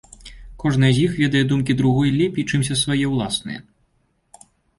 Кожная з іх ведае думкі другой лепей, чымся свае ўласныя.